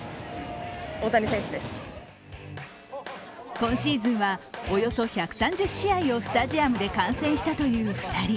今シーズンはおよそ１３０試合をスタジアムで観戦したという２人。